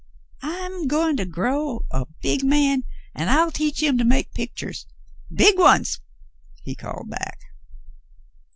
"I'm goin' to grow a big man, an' I'll teach him to make pictures — big ones," he called back.